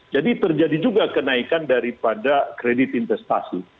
jadi terjadi juga kenaikan daripada kredit investasi